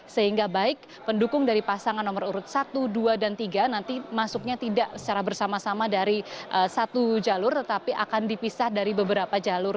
sehingga baik pendukung dari pasangan nomor urut satu dua dan tiga nanti masuknya tidak secara bersama sama dari satu jalur tetapi akan dipisah dari beberapa jalur